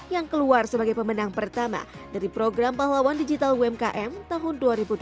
yang pertama dari program pahlawan digital umkm tahun dua ribu dua puluh